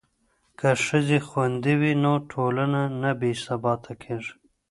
که ښځې خوندي وي نو ټولنه نه بې ثباته کیږي.